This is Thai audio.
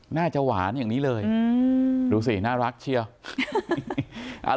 น่าจะหวานอย่างนี้เลยดูสิน่ารักเชียว